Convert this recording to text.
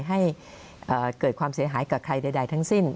ให้เกิดความเสียหายกับใครใดทั้งสิ้น